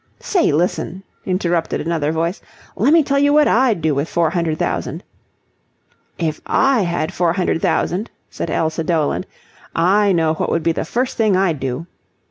"Say, listen," interrupted another voice, "lemme tell you what I'd do with four hundred thousand..." "If I had four hundred thousand," said Elsa Doland, "I know what would be the first thing I'd do."